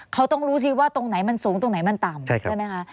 เขาต้องรู้สิว่าตรงไหนมันสูงตรงไหนมันต่ำใช่ไหมคะ